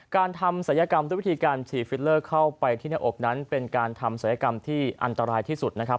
การทำศัลยกรรมด้วยวิธีการฉีดฟิลเลอร์เข้าไปที่หน้าอกนั้นเป็นการทำศัลยกรรมที่อันตรายที่สุดนะครับ